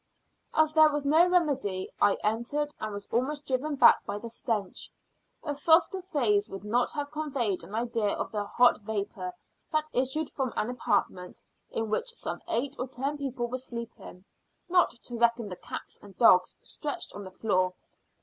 As there was no remedy I entered, and was almost driven back by the stench a softer phrase would not have conveyed an idea of the hot vapour that issued from an apartment in which some eight or ten people were sleeping, not to reckon the cats and dogs stretched on the floor.